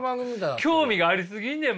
興味がありすぎんねん